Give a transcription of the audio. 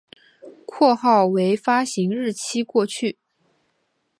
括号为发行日期过去